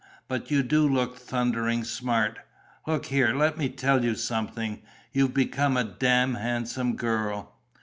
But you do look thundering smart.... Look here, let me tell you something: you've become a damned handsome girl."